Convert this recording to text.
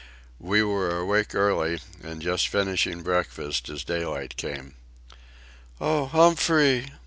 We were awake early and just finishing breakfast as daylight came. "Oh, Humphrey!"